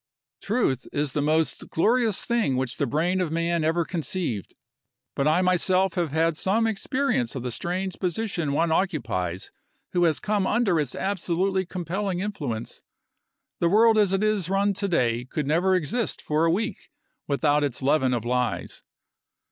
Truth is the most glorious thing which the brain of man ever conceived, but I myself have had some experience of the strange position one occupies who has come under its absolutely compelling influence. The world as it is run to day could never exist for a week without its leaven of lies."